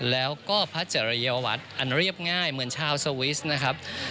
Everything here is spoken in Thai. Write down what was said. แล้วก็พระจริยวัตรอันเรียบง่ายเหมือนชาวสวิสนะครับ